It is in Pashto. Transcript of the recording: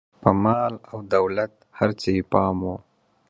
پر مال او دولت هر څه یې پام و.